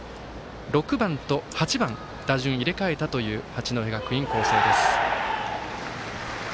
６番と８番、打順入れ替えたという八戸学院光星です。